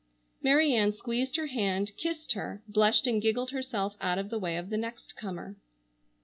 Mary Ann squeezed her hand, kissed her, blushed and giggled herself out of the way of the next comer.